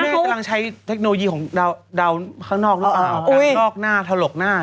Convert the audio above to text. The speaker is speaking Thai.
คุณแม่กำลังใช้เทคโนโลยีของดาวข้างนอกหรือเปล่า